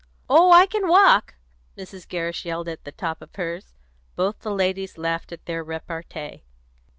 "Oh, I can walk!" Mrs. Gerrish yelled at the top of hers. Both the ladies laughed at their repartee.